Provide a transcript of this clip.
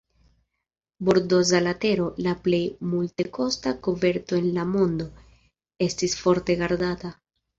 Bordoza letero, la plej multekosta koverto en la mondo, estis forte gardata.